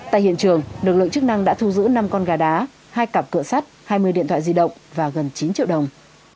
tại hiện trường lực lượng chức năng đã thu giữ năm con gà đá hai cặp cửa sắt hai mươi điện thoại di động và gần chín triệu đồng